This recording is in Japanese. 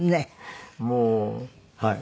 もうはい。